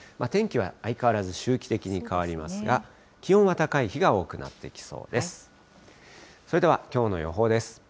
天気は相変わらず周期的に変わりますが、気温は高い日が多くなってきそうです。